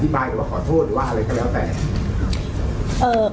เขารู้สึกว่ามายูไม่รอบ